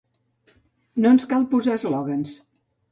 No ens cal posar eslògans.